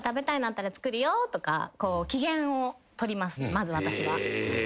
まず私は。